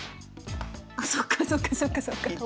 あそっかそっかそっかそっか。